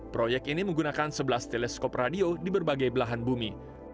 proyek ini menggunakan sebelas teleskop radio di berbagai belahan bumi